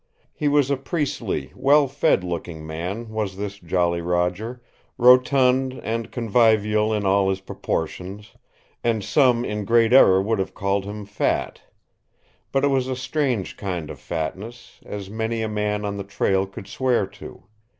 He was a priestly, well fed looking man, was this Jolly Roger, rotund and convivial in all his proportions, and some in great error would have called him fat. But it was a strange kind of fatness, as many a man on the trail could swear to.